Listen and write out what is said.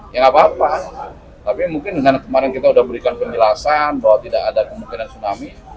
ya nggak apa apa tapi mungkin di sana kemarin kita sudah berikan penjelasan bahwa tidak ada kemungkinan tsunami